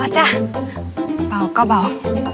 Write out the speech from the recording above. อ๋อจ้ะเบาก็เบา